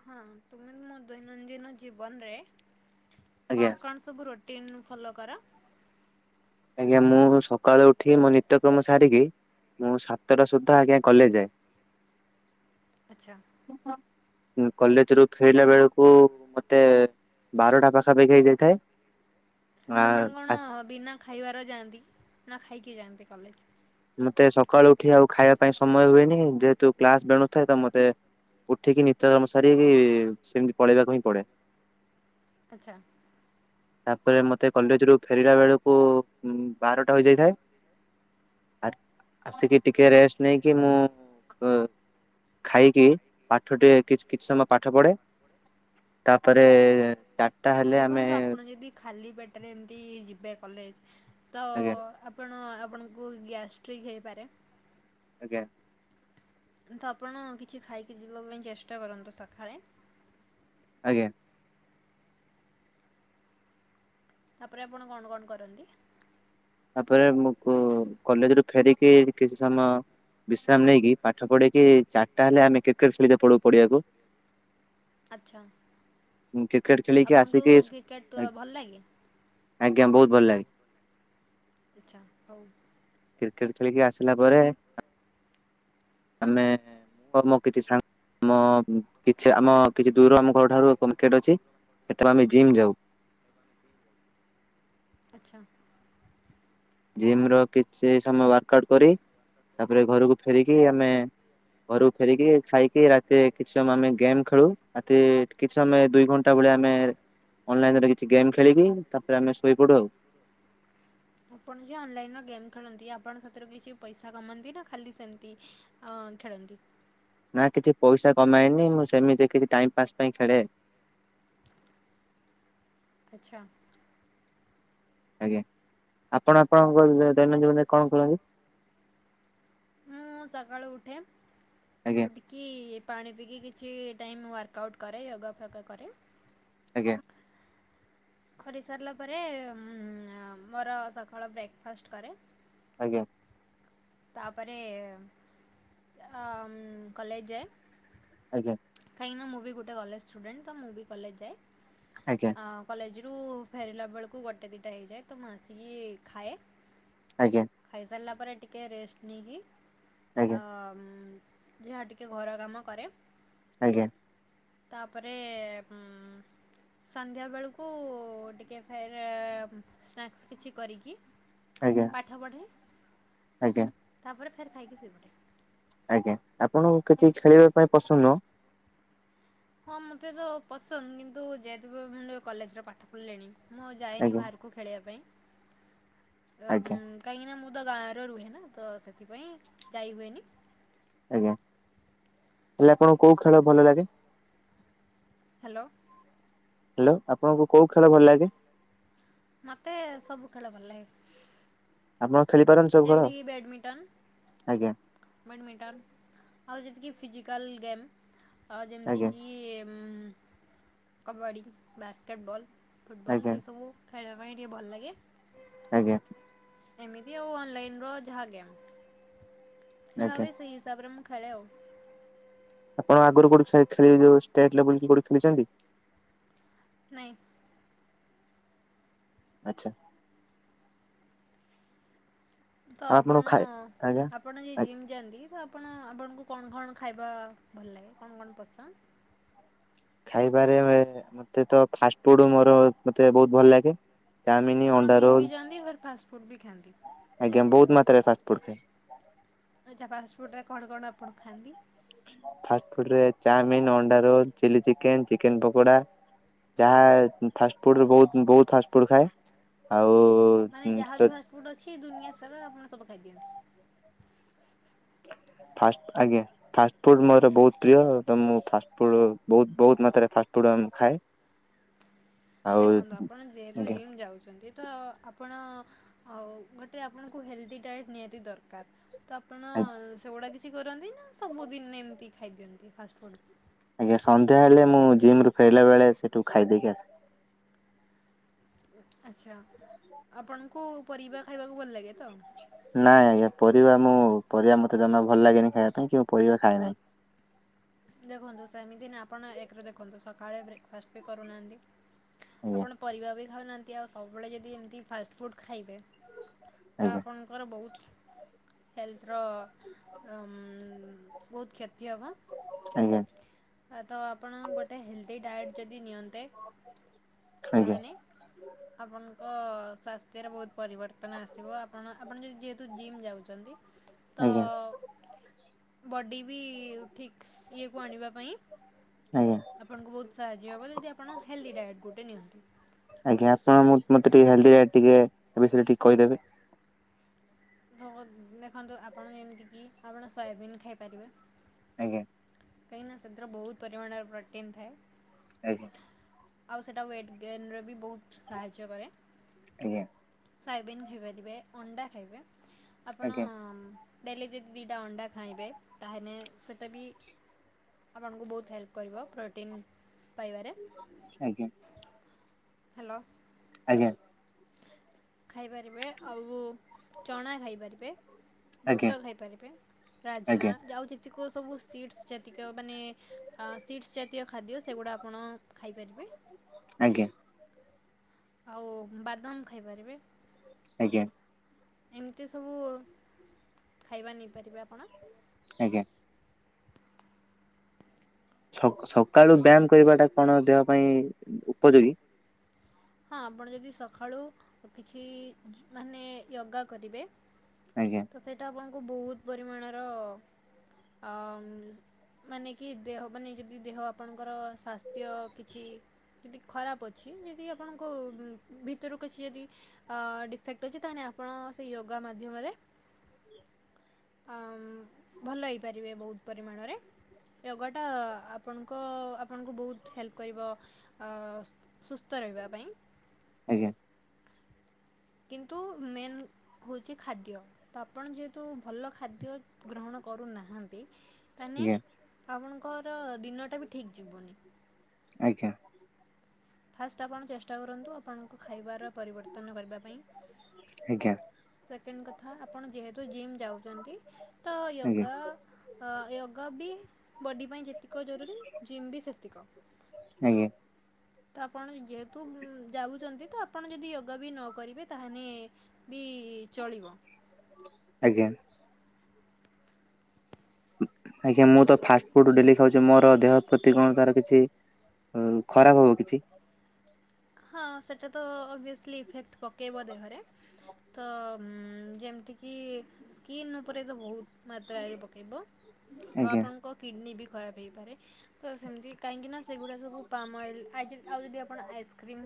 ହଁ ତୁମେ ମୋ ଦୈନନ୍ଦିନ ଜୀବନରେ ଆଜ୍ଞା କଣ କଣ ସବୁ ରୁଟିନ୍ ଫଲୋ କର? ଆଜ୍ଞା ମୁଁ ସକାଳୁ ଉଠି ମୋ ନିତ୍ୟକ୍ରମ ସାରିକି ମୁଁ ସାତଟା ସୁଦ୍ଧା ଆଜ୍ଞା କଲେଜ ଯାଏ। ଆଚ୍ଛା କଲେଜ ରୁ ଫେରିଲା ବେଳକୁ ମତେ ବାରଟା ପାଖାପାଖି ହେଇଯାଇଥାଏ। ଆ ଆପଣ କଣ ଆସ ବିନା ଖାଇବାର ଯାଆନ୍ତି ନା ଖାଇକି ଯାଆନ୍ତି କଲେଜ? ମତେ ସକାଳୁ ଉଠି ଆଉ ଖାଇବା ପାଇଁ ସମୟ ହୁଏନି ଯେହେତୁ କ୍ଲାସ ବେଣୁଥାଏ ତ ମତେ ଉଠିକି ନିତ୍ୟ କର୍ମ ସାରି ସେମିତି ପଳେଇବାକୁ ହିଁ ପଡେ। ଆଚ୍ଛା ତାପରେ ମୋତେ କଲେଜରୁ ଫେରିଲା ବେଳକୁ ବାରଟା ହୋଇଯାଇଥାଏ। ଆ ଆସିକି ଟିକେ ରେଷ୍ଟ ନେଇକି ମୁଁ ଖାଇକି ପାଠ ଟେ କିଛି ସମୟ ପାଠ ପଢେ ତାପରେ ଚାରିଟା ହେଲେ ଆମେ ଦେଖନ୍ତୁ ଆପଣ ଯଦି ଖାଲି ପେଟରେ ଏମିତି ଯିବେ କଲେଜ ତ ଆଜ୍ଞା ଆପଣ ଆପଣଙ୍କୁ ଗ୍ୟାଷ୍ଟ୍ରିକ୍ ହେଇପାରେ ଆଜ୍ଞା ତ ଆପଣ କିଛି ଖାଇକି ଯିବା ପାଇଁ ଚେଷ୍ଟା କରନ୍ତୁ ସକାଳେ ଆଜ୍ଞା ତାପରେ ଆପଣ କଣ କଣ କରନ୍ତି? ତାପରେ ମୁଁ କଲେଜ ରୁ ଫେରିକି କିଛି ସମୟ ବିଶ୍ରାମ ନେଇକି ପାଠ ପଢିକି ଚାରିଟା ହେଲେ ଆମେ କ୍ରିକେଟ ଖେଳଦେ ପଢୁ ପଢିବାକୁ ଆଚ୍ଛା କ୍ରିକେଟ ଖେଳିକି ଆପଣଙ୍କୁ ଆସିକି କ୍ରିକେଟ୍ ଭଲ ଲାଗେ? ଆଜ୍ଞା ବହୁତ ଭଲ ଲାଗେ ଆଚ୍ଛା ହଉ କ୍ରିକେଟ ଖେଳିକି ଆସିଲା ପରେ ଆମେ ମୁଁ ମୋ କିଛି ସାଙ୍ଗ ଆ କିଛି ଆମ କିଛି ଦୂରରୁ ଆମ ଘର ଠାରୁ ଏକେଟ ଅଛି ସେତେବେ ଆମେ ଜିମ୍ ଯାଉ ଆଚ୍ଛା ଜିମ ର କିଛି ସମୟ ୱାର୍କ ଆଉଟ କରି ତାପରେ ଘରକୁ ଫେରିକି ଆମେ ଘରୁ ଫେରିକି ଖାଇକି ରାତିରେ କିଛି ସମୟ ଆମେ ଗେମ୍ ଖେଳୁ ରାତି ଟିକେ କିଛି ସମୟ ଦୁଇ ଘଣ୍ଟା ଭଲିଆ ଆମେ ଅନଲାଇନରେ କିଛି ଗେମ୍ ଖେଳିକି ତାପରେ ଆମେ ଶୋଇପଡୁ ଆଉ। ଆପଣ ଯେ ଅନଲାଇନ ରେ ଗେମ୍ ଖେଳନ୍ତି ଆପଣଙ୍କ ସେଥିରୁ କିଛି ପଇସା କମାନ୍ତି ନା ଖାଲି ସେମିତି। ଅ ଖେଳନ୍ତି। ନା କିଛି ପଇସା କମାଇନି ମୁଁ ସେମିତି କିଛି ଟାଇମ ପାସ୍ ପାଇଁ ଖେଳେ। ଆଛା। ଆଜ୍ଞା ଆପଣ ଆପଣଙ୍କ ଦୈନନ୍ଦିନ ଜୀବନରେ କଣ ଖେଳନ୍ତି? ମୁଁ ସକାଳୁ ଉଠେ। ଆଜ୍ଞା। ଉଠିକି ପାଣି ପିଇକି କିଛି ଟାଇମ୍ ୱାର୍କ ଆଉଟ୍ କରେ ୟୋଗା ଫୋଗା କରେ। ଆଜ୍ଞା। କରିସାରିଲା ପରେ ମୋର ସକାଳ ବ୍ରେକ୍ଫାଷ୍ଟ କରେ। ଆଜ୍ଞା। ତାପରେ ଆମ୍ କଲେଜ ଯାଏ। ଆଜ୍ଞା। କାହିଁକି ନା ମୁଁ ବି ଗୋଟେ କଲେଜ ଷ୍ଟୁଡେଣ୍ଟ ତ ମୁଁ ବି କଲେଜ ଯାଏ। ଆଜ୍ଞା। କଲେଜରୁ ଫେରିଲା ବେଳକୁ ଗୋଟେ ଦୁଇଟା ହେଇଯାଏ ତ ମୁଁ ଆସିକି ଖାଏ। ଆଜ୍ଞା। ଖାଇସାରିଲା ପରେ ଟିକେ ରେଷ୍ଟ ନେଇକି ଆଜ୍ଞା ଆମ୍ ଯାହା ଟିକେ ଘର କାମ କରେ। ଆଜ୍ଞା। ତାପରେ ଉଁ ସନ୍ଧ୍ୟାବେଳକୁ ଟିକେ ଫେର୍ ସ୍ନାକ୍ସ୍ କିଛି କରିକି ଆଜ୍ଞା। ପାଠ ପଢେ। ଆଜ୍ଞା। ତାପରେ ଫେର୍ ଖାଇକି ଶୋଇ ପଡେ। ଆଜ୍ଞା ଆପଣଙ୍କୁ କିଛି ଖେଳିବା ପାଇଁ ପସନ୍ଦ ନୁହ। ହଁ ମୋତେ ତ ପସନ୍ଦ କିନ୍ତୁ ଯେହେତୁ ମୁ କଲେଜରେ ପାଠ ପଢ଼ିଲେଣି ମୁଁ ଆଉ ଯାଏନି ଆଜ୍ଞା ବାହାରକୁ କୁ ଖେଳିବା ପାଇଁ ଟ ଆଜ୍ଞା ମୁ କାହିଁକି ନା ମୁଁ ତ ଗାଁରେ ରୁହେ ନା ତ ସେଥିପାଇଁ ଜାଇ ହୁଏନି। ଆଜ୍ଞା ହେଲେ ଆପଣଙ୍କୁ କୋଉ ଖେଳ ଭଲ ଲାଗେ। ହ୍ୟାଲୋ। ହ୍ୟାଲୋ ଆପଣଙ୍କୁ କୋଉ ଖେଳ ଭଲ ଲାଗେ। ମତେ ସବୁ ଖେଳ ଭଲ୍ ଲାଗେ। ଆପଣ ଖେଳିପାରନ୍ତି ସବୁ ଖେଳ ଯେମିତିକି ଆଜ୍ଞା। ବ୍ୟାଡ଼ମିଣ୍ଟନ ଆଉ ଯେତିକି ଫିଜିକାଲ ଗେମ୍। ଆଉ ଆଜ୍ଞା ଯେମିତିକି କବାଡ଼ି ବାସ୍କେଟବଲ୍। ଫୁଟବଲ୍ ଆଜ୍ଞା ଏସବୁ ଖେଳିବା ପାଇଁ ଟିକେ ଭଲ ଲାଗେ। ଆଜ୍ଞା। ଏମିତି ଆଉ ଅନଲାଇନର ଯାହା ଗେମ୍। ଖେଳା ଆଜ୍ଞା ହୁଏ ସେଇ ହିସାବରେ ମୁ ଖେଳେ ଆଉ। ଆପଣ ଆଗରୁ କୋଉଠ ଖେ ଖେଳ ଯୋଉ ଷ୍ଟେଟଲେବୁଲ କି କୋଉଠି ଖେଳିଛନ୍ତି। ନାଇଁ। ଆଚ୍ଛା। ତ ଆଉ ଆପଣ ଖାଇ ଆଜ୍ଞା। ଆପଣ ଯେ ଜିମି ଯାଆନ୍ତି ତ ଆପଣ ଆପଣଙ୍କୁ କଣ କଣ ଖାଇବା ଭଲ ଲାଗେ କଣ କଣ ପସନ୍ଦ? ଖାଇବାରେ ମତେ ତ ଫାଷ୍ଟ ଫୁଡ ମୋର ମତେ ତ ବହୁତ ଭଲ ଲାଗେ। ଚାଉମିନ ଆପଣ ଅଣ୍ଡା ଜିମ୍ ରୋଲ ବି ଯାଆନ୍ତି ଫେର୍ ଫାଷ୍ଟ ଫୁଡ ବି ଖାଆନ୍ତି। ଆଜ୍ଞା ବହୁତ ମାତ୍ରାରେ ଫାଷ୍ଟ ଫୋଡ଼ ଖାଏ। ଆଚ୍ଛା ଫାଷ୍ଟଫୁଡ଼ ଟା କଣ କଣ ଆପଣ ଖାଆନ୍ତି? ଫାଷ୍ଟ ଫୁଡ ରେ ଚାଉମିିନ, ଅଣ୍ଡା roll, chilli chicken, chicken pakoda. ଯାହା ଫାଷ୍ଟଫୁଡରେ ବହୁତ ବହୁତ ଫାଷ୍ଟ ଫୁଡ ଖାଏ, ଆଉ ମାନେ ଯାହାବି ଫାଷ୍ଟଫୁଡ୍ ଅଛି ଦୁନିଆ ସାରା ଆପଣ ସବୁ ଖାଇଦିଅନ୍ତି। ଫାଷ୍ଟ ଆଜ୍ଞା। ଫାଷ୍ଟଫୁଡ଼୍ ମୋର ବହୁତ ପ୍ରିୟ ତ ମୁଁ ଫାଷ୍ଟଫୁଡ଼ ବହୁତ ବହୁତ ମାତ୍ରାରେ ଫାଷ୍ଟଫୁଡ଼ ଖାଏ। ଆଉ ଦେଖନ୍ତୁ ଆପଣ ଯେହେତୁ ଆଜ୍ଞା। ଜିମ୍ ଯାଉଚନ୍ତି। ତ ଆପଣ ଆ ଗୋଟେ ଆପଣଙ୍କୁ ହେଲ୍ଦି ଡାଏଟ୍ ନିହାତି ଦରକାର। ତ ଆପଣ ସେଗୁଡ଼ା କିଛି କରନ୍ତି ନା ସବୁଦିନ ଏମିତି ଖାଇଦିଅନ୍ତି ଫାଷ୍ଟଫୁଡ? ଆଜ୍ଞା ସନ୍ଧ୍ୟା ହେଲେ ମୁଁ ଜିମ ରୁ ଫେରିଲା ବେଳେ ସେଠୁ ଖାଇଦେଇକି ଆସେ। ଆଚ୍ଛା ଆପଣଙ୍କୁ ପରିବା ଖାଇବାକୁ ଭଲ ଲାଗେ ତ? ନାଇଁ ଆଜ୍ଞା ପରିବା ମୁଁ ପରିବା ମତେ ଜମା ଭଲ ଲାଗେନି ଖାଇବା ପାଇଁ କି ମୁଁ ପରିବା ଖାଏ ନାହିଁ। ଦେଖନ୍ତୁ ସେମିତି ନା ଆପଣ ଏକରେ ଦେଖନ୍ତୁ ସକାଳେ ବ୍ରେକ ଫାଷ୍ଟ ବି କରୁନାହାନ୍ତି। ଆଜ୍ଞା ଆପଣ ପରିବା ବି ଖାଉନାହାନ୍ତି ଆଉ ସବୁବେଳେ ଯଦି ଏମିତି ଫାଷ୍ଟଫୁଡ଼ ଖାଇବେ ତ ଆଜ୍ଞା ଆପଣ ଙ୍କର ବହୁତ ହେଲଥ୍ ର ବହୁତ କ୍ଷତି ହେବ। ଆଜ୍ଞା। ତ ଆପଣ ଗୋଟେ ହେଲ୍ଦି ଡାଏଟ୍ ଯଦି ନିଅନ୍ତେ। ଆଜ୍ଞା ତାହନେ ଆପଣଙ୍କ ସ୍ୱାସ୍ଥ୍ୟରେ ବହୁତ ପରିବର୍ତ୍ତନ ଆସିବ ଆପଣ ଆପଣ ଯଦି ଯେହେତୁ ଜିମ୍ ଯାଉଛନ୍ତି। ତ ଆଜ୍ଞା ବଡି ବି ଠିକ ଇଏ କୁ ଆଣିବ। ପାଇଁ ଆଜ୍ଞା ଆପଣଙ୍କୁ ବହୁତ ସାହାଯ୍ୟ ହବ ଯଦି ଆପଣ ହେଲ୍ଦି ଡାଏଟ୍ ଗୋଟେ ନିଅନ୍ତି। ଆଜ୍ଞା ଆପଣ ମୁଁ ମତେ ଟିକେ ହେଲଦି ଟିକେ ଏ ବିଷୟରେ ଟିକେ କହିଦେବେ। ଦେଖନ୍ତୁ ଆପଣ ଯେମିତି କି ଆପଣ ସୋୟାବିନ୍ ଖାଇପାରିବେ। ଆଜ୍ଞା। କାହିଁକି ନା ସେଥିରେ ବହୁତ ପରିମାଣର ପ୍ରୋଟିନ୍ ଥାଏ। ଆଜ୍ଞା। ଆଉ ସେଇଟା ୱେଟ୍ ଗେନ ରେ ବି ବହୁତ ସାହାଯ୍ୟ କରେ। ଆଜ୍ଞା ସାଇବିନ୍ ଖାଇପାରିବେ ଅଣ୍ଡା ଖାଇବେ, ଆପଣ ଆଜ୍ଞା ଡେଲି ଯଦି ଦିଟା ଅଣ୍ଡା ଖାଇବେ ତାହେଲେ ସେଇଟା ବି ଆପଣଙ୍କୁ ବହୁତ ହେଲ୍ପ କରିବ ପ୍ରୋଟିନ୍ ପାଇବାରେ। ଆଜ୍ଞା। ହ୍ୟାଲୋ। ଆଜ୍ଞା। ଖାଇପାରିବେ ଆଉ ଚଣା ଖାଇପାରିବେ। ବୁଟ ଆଜ୍ଞା ଖାଇପାରିବେ, ରାଜମା ଆଜ୍ଞା ଆଉ ଯେତିକ ସବୁ ସିଡ଼୍ସ୍ ଯେତିକ ମାନେ ଆ ସିଟ୍ସ୍ ଜାତୀୟ ଖାଦ୍ୟ ସେଗୁଡ଼ା ଆପଣ ଖାଇପାରିବେ। ଆଜ୍ଞା। ଆଉ ବାଦାମ ଖାଇପାରିବେ। ଆଜ୍ଞା। ଏମିତି ସବୁ ଖାଇବା ନେଇପାରିବେ ଆପଣ। ଆଜ୍ଞା। ସ ସକାଳୁ ବ୍ୟାୟାମ କରିବାଟା କଣ ଦେହ ପାଇଁ ଉପଯୋଗୀ? ହଁ ଆପଣ ଯଦି ସକାଳୁ କିଛି ମାନେ ୟୋଗା କରିବେ। ଆଜ୍ଞା। ତ ସେଇଟା ଆପଣଙ୍କୁ ବହୁତ ପରିମାଣର ଅ ମାନେ କି ଦେହ ମାନେ ଯଦି ଦେହ ଆପଣଙ୍କର ସ୍ୱାସ୍ଥ୍ୟ କିଛି ଯଦି ଖରାପ ଅଛି ଯଦି ଆପଣଙ୍କୁ ଭିତରୁ କିଛି ଯଦି ଅ ଡିଫେକ୍ଟ ଅଛି ତାହେଲେ ଆପଣ ସେ ୟୋଗା ମାଧ୍ୟମରେ ଭଲ ହେଇପାରିବେ ବହୁତ ପରିମାଣରେ। ୟୋଗାଟା ଆପଣଙ୍କ ଆପଣଙ୍କୁ ବହୁତ ହେଲ୍ପ କରିବ। ଅ ସୁସ୍ଥ ରହିବା ପାଇଁ ଆଜ୍ଞା। କିନ୍ତୁ ମେନ୍ ହଉଛି ଖାଦ୍ୟ ତ ଆପଣ ଯେହେତୁ ଭଲ ଖାଦ୍ୟ ଗ୍ରହଣ କରୁନାହାନ୍ତି। ତାନେ ଆଜ୍ଞା ଆପଣଙ୍କର ଦିନଟା ବି ଠିକ୍ ଯିବନି। ଆଜ୍ଞା। ଫାଷ୍ଟ ଆପଣ ଚେଷ୍ଟା କରନ୍ତୁ ଆପଣଙ୍କ ଖାଇବାର ପରିବର୍ତ୍ତନ କରିବା ପାଇଁ। ଆଜ୍ଞା। ସେକେଣ୍ଡ କଥା ଆପଣ ଯେହେତୁ ଜିମ୍ ଯାଉଛନ୍ତି ତ ୟୋଗା ୟୋଗା ବି ବଡ଼ି ପାଇଁ ଯେତିକ ଜରୁରୀ ଜିମ୍ ବି ସେତିକ। ଆଜ୍ଞା। ତ ଆପଣ ଯେତ ତୁ ଯାଉଛନ୍ତି ତ ଆପଣ ଯଦି ୟୋଗା ବି ନ କରିବେ ତାହେଲେ ବି ଚଳିବ। ଆଜ୍ଞା। ଆଜ୍ଞା ମୁଁ ତ ଫାଷ୍ଟ ଫୁଡ ଡେଲି ଖାଉଛି ମୋର ଦେହ ପ୍ରତି କଣ ତାର କିଛି ଉ ଖରାପ ହବ କିଛି? ହଁ ସେଟା ତ ଅଭିଏସଲି ଇଫେକ୍ଟ ପକେଇବ ଦେହରେ। ତ ଯେମିତିକି ସ୍କିନ୍ ଉପରେ ତ ବହୁତ ମାତ୍ରାରେ ପକଇବ। ଆଉ ଆଜ୍ଞା ଆପଣଙ୍କ କିଡ଼ନୀ ବି ଖରାପ ହେଇପାରେ। ତ ସେମିତି କାହିଁକି ନା ସେଗୁଡା ସବୁ ପାମାଆଇଲି ଆଉ ଯଦି ଆପଣ ଆଇସ୍କ୍ର ଆକ୍ରିମ୍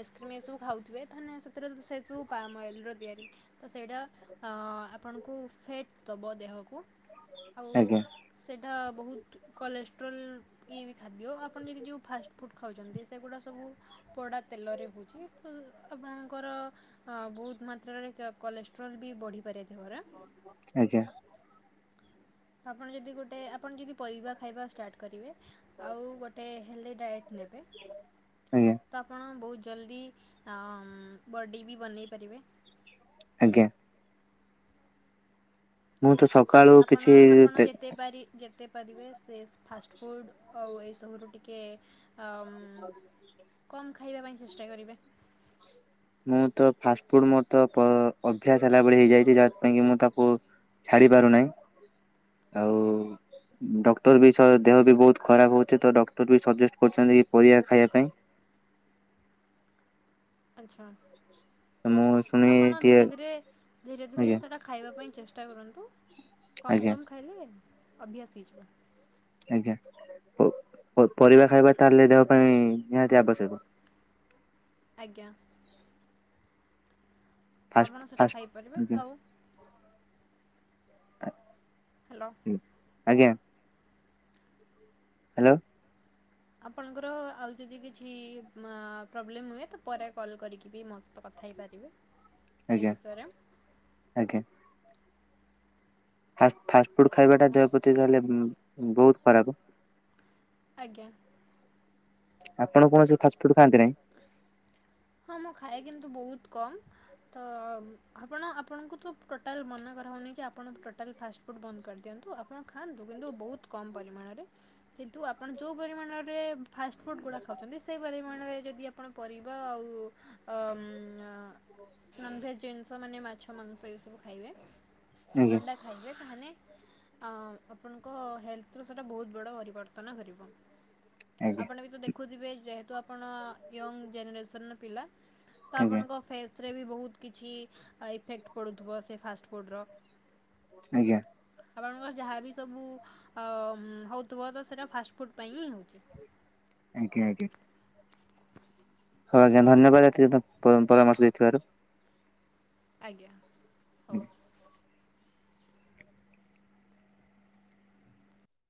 ଆଇସ୍କ୍ରିମ୍ ଏସବୁ ଖାଉଥିବେ ତାହେଲେ ସେଥିରେ ତ ସେ ସବୁ ପାମ୍ ଅଏଲ୍ର ତିଆରି। ତ ସେଇଟା ଆପଣଙ୍କୁ ଫେଟ୍ ଦବ ଦେହକୁ ଆଉ ଆଜ୍ଞା ସେଇଟା ବହୁତ କଲେଷ୍ଟ୍ରଲ୍ ଇଏ ବି ଖାଦ୍ୟ ଆପଣ ଯଦି ଯେଉଁ ଫାଷ୍ଟଫୁଡ଼୍ ଖାଉଛନ୍ତି ସେଗୁଡ଼ା ସବୁ ପୋଡ଼ା ତେଲରେ ହେଉଛି ଆପଣଙ୍କର ଅ ବହୁତ ମାତ୍ରାରେ କେ କଲେଷ୍ଟ୍ରୋଲ୍ ବି ବଢି ପାରେ ଦେହରେ। ଆଜ୍ଞା। ଆପଣ ଯଦି ଗୋଟେ ଆପଣ ଯଦି ପରିବା ଖାଇବା ଷ୍ଟାର୍ଟ କରିବେ। ଆଉ ଗୋଟେ ହେଲ୍ଦି ଡାଏଟ୍ ନେବେ। ଆଜ୍ଞା ତ ଆପଣ ବହୁତ ଜଲ୍ଦି ଆ -ବଡ଼ି ବି ବନେଇ ପାରିବେ। ଆଜ୍ଞା। ମୁଁ ତ ସ ଆପଣ ଆପଣ ଯେତେ ପାରି ଯେ ତେ ପାରିବେ ସେ ଫାଷ୍ଟଫୁଡ଼୍ ଆଉ ଏଇସବୁରୁ ଟିକେ ଅମ କମ୍ ଖାଇବା ପାଇଁ ଚେଷ୍ଟା କରିବେ। ମୁଁ ତ ଫାଷ୍ଟ ଫୁଡ ମୋର ତ ପ ଅଭ୍ୟାସ ହେଲା ଭଳି ହେଇଯାଇଛି ଯାଥିପାଇଁ କି ମୁଁ ତାକୁ ଛାଡି ପାରୁନାହିଁ ଆଉ ଡକ୍ଟର ବି ସହ ଦେହ ବି ବହୁତ ଖରାପ ହଉଛି ତ ଡକ୍ଟର ବି ସଜେଷ୍ଟ କରୁଛନ୍ତି କି ପରିବା ଖାଇବା ପାଇଁ। ଆଛା ମୁଁ ତ ଶୁଣି ଆପଣ ଟିକେ ଧୀରେ ଧୀରେ ଧୀରେ ଧୀରେ ଆଜ୍ଞା ସେଟା ଖାଇବା ପାଇଁ ଚେଷ୍ଟା କରନ୍ତୁ କମ୍ ଆଜ୍ଞା କମ୍ ଖାଇଲେ ଅଭ୍ୟାସ ହେଇଯିବ। ଆଜ୍ଞା ପ ପ ପରିବା ଖାଇବା ତାହେଲେ ଦେହ ପାଇଁ ନିହାତି ଆବଶ୍ୟକ? ଆଜ୍ଞା। ଫାଷ୍ଟ ଆପଣ ସେଇଟା ଫାଷ୍ଟ ଖାଇପାରିବେ ଆଜ୍ଞା। ଆଉ [unintelligible] ହ୍ୟାଲୋ। ଆଜ୍ଞା। ହ୍ୟାଲୋ। ଆପଣଙ୍କର ଆଉ ଯଦି କିଛି ପ୍ରୋବ୍ଲେମ୍ ହୁଏ ତ ପରେ କଲ୍ କରିକି ବି ମୋସହିଁତ କଥା ହେଇପାରିବେ। ଏ ଆଜ୍ଞା ବିଷୟରେ ଆଜ୍ଞା। ଫାଷ୍ଟ ଫାଷ୍ଟଫୁଡ଼୍ ଖାଇବାଟା ଦେହ ପ୍ରତି ତାହେଲେ ଉଁ ଉଁ ବହୁତ ଖରାପ। ଆଜ୍ଞା। ଆପଣ କୌଣସି ଫାଷ୍ଟଫୁଡ୍ ଖାଆନ୍ତି ନାହିଁ? ହଁ ମୁଁ ଖାଏ କିନ୍ତୁ ବହୁତ କମ୍। ତ ଅ ଆପଣ ଆପଣଙ୍କୁ ତୁ ଟୋଟାଲ ମନା କରାହେଉନି କି ଆପଣ ଟୋଟାଲ ଫାଷ୍ଟ ଫୁଡ୍ ବନ୍ଦ କରିଦିଅନ୍ତୁ ଆପଣ ଖାଆନ୍ତୁ କିନ୍ତୁ ବହୁତ କମ ପରିମାଣରେ। କିନ୍ତୁ ଆପଣ ଯେଉଁ ପରିମାଣରେ ଫାଷ୍ଟଫୁଡ଼୍ ଗୁଡ଼ା ଖାଉଛନ୍ତି ସେଇ ପରିମାଣରେ ଯଦି ଆପଣ ପରିବା ଆଉ ଉ ଅ ମଁ ନନ୍ ଭେଜ ଜିନିଷ ମାନେ ମା ମାଛ ମାଂସ ଏସବୁ ଖାଇବେ ଆଜ୍ଞା ଅଣ୍ଡା ଖାଇବେ ତାହାନେ ଅଁ ଆପଣଙ୍କ ହେଲ୍ଥର ସେଟା ବହୁତ ବଡ଼ ପରିବର୍ତ୍ତନ କରିବ। ଆଜ୍ଞା ଆପଣ ବି ତ ଦେଖୁଥିବେ ଯେହେତୁ ଆପଣ ୟଙ୍ଗ ଜେନେରସନ ର ପିଲା। ତ ଆଜ୍ଞା ଆପଣଙ୍କ ଫେସେରେ ବି ବହୁତ କିଛି ଇଫେକ୍ଟ ପଡ଼ୁଥିବ ସେ ଫାଷ୍ଟ ଫୁଡ଼ର। ଆଜ୍ଞା। ଆପଣଙ୍କର ଯାହାବି ସବୁ ଅ ଉଁ ହେଉଥିବ ତ ସେଇଟା ଫାଷ୍ଟଫୁଡ଼ ପାଇଁ ହିଁ ହେଉଛି। ଆଜ୍ଞ ଆଜ୍ଞା। ହଁ ଆଜ୍ଞା ଧନ୍ୟବାଦ ଏତି ତ ପରମ୍ପରା ପରାମର୍ଶ ଦେଇଥିବାରୁ। ଆଜ୍ଞା ହଉ।